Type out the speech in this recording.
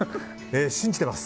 信じてます。